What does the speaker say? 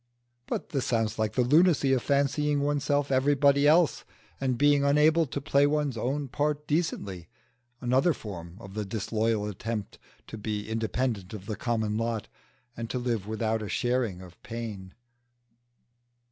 But this sounds like the lunacy of fancying oneself everybody else and being unable to play one's own part decently another form of the disloyal attempt to be independent of the common lot, and to live without a sharing of pain.